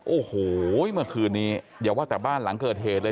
โอ้โหเมื่อคืนนี้อย่าว่าแต่บ้านหลังเกิดเหตุเลย